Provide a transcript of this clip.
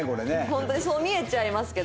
本当にそう見えちゃいますけど。